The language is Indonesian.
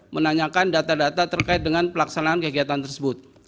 menanyakan data data terkait dengan pelaksanaan kegiatan tersebut